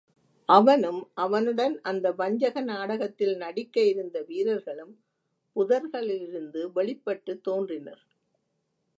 அவனும் அவனுடன் அந்த வஞ்சக நாடகத்தில் நடிக்க இருந்த வீரர்களும் புதர்களிலிருந்து வெளிப்பட்டுத் தோன்றினர்.